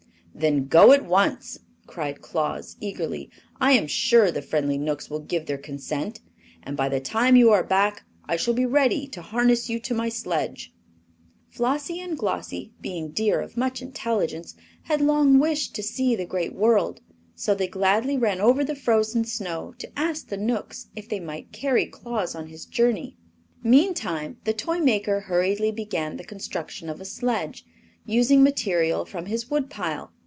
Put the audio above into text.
"Then go at once!" cried Claus, eagerly. "I am sure the friendly Knooks will give their consent, and by the time you are back I shall be ready to harness you to my sledge." Flossie and Glossie, being deer of much intelligence, had long wished to see the great world, so they gladly ran over the frozen snow to ask the Knooks if they might carry Claus on his journey. Meantime the toy maker hurriedly began the construction of a sledge, using material from his wood pile.